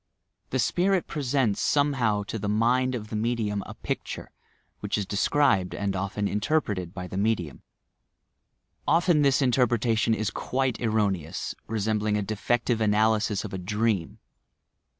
The spirit presents somehow to the mind of the medium a picture, which is described and often interpreted by the medium. Often this interpretation is quite erroneous, resembling a de fective analysis of a dream.